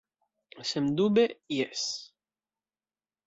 Sendube, jes.